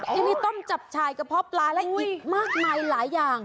ยังมีต้มจับฉายกระเพาะปลาและอีกมากมายหลายอย่าง